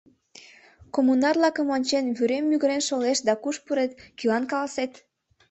Коммунарлакым ончен, вӱрем мӱгырен шолеш, да куш пурет, кӧлан каласет?